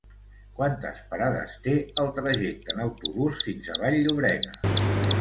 Quantes parades té el trajecte en autobús fins a Vall-llobrega?